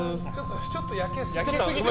ちょっと焼けすぎ。